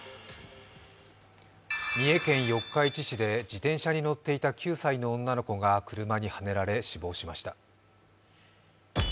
三重県四日市市で自転車に乗っていた９歳の女の子が車にはねられ死亡しました。